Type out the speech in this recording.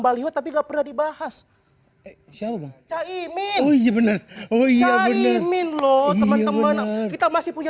bariho tapi gak pernah dibahas siapa cah imin wuih benar iruring lho n moreover kita masih punya